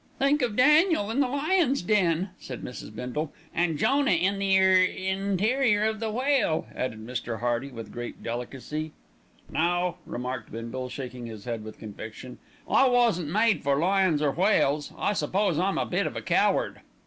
"Think of Daniel in the lions' den," said Mrs. Bindle. "And Jonah in the er interior of the whale," added Mr. Hearty with great delicacy. "No," remarked Bindle, shaking his head with conviction, "I wasn't made for lions, or whales. I suppose I'm a bit of a coward."